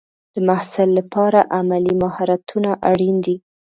د محصل لپاره عملي مهارتونه اړین دي.